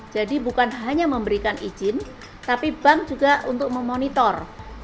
bukan hanya memberikan izin tapi bank juga untuk memonitor